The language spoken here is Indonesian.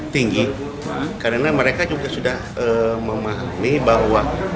tinggi karena mereka juga sudah memahami bahwa